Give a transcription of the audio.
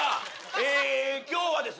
え今日はですね